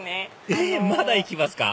えっまだ行きますか？